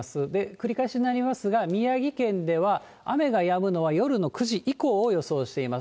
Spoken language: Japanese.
繰り返しになりますが、宮城県では、雨がやむのは夜の９時以降を予想しています。